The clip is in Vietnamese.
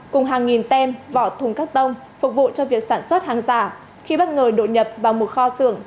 cùng hàng nghìn tem vỏ thùng cắt tông phục vụ cho việc sản xuất hàng giả khi bất ngờ đột nhập vào một kho xưởng